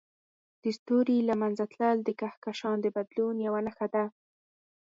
د ستوري له منځه تلل د کهکشان د بدلون یوه نښه ده.